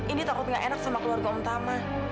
ini takut gak enak sama keluarga utama